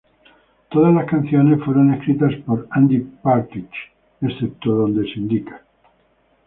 Todas las canciones fueron escritas por Andy Partridge, excepto donde sea indicado.